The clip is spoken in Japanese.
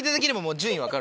順位が分かる？